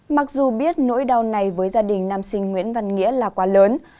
mặc dù biết nỗi đau này với gia đình nam sinh nguyễn văn nghĩa là quá lớn